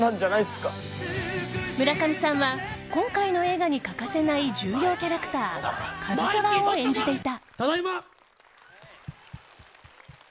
村上さんは今回の映画に欠かせない重要キャラクター一虎を演じていた。